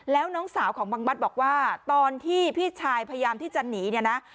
แล้วน้องสาวของบังบัตรบอกว่าตอนที่พี่ชายพยายามที่จะหนีเนี่ยนะ